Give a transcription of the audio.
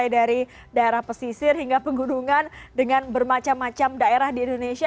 dari daerah pesisir hingga pegunungan dengan bermacam macam daerah di indonesia